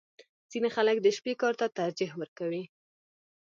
• ځینې خلک د شپې کار ته ترجیح ورکوي.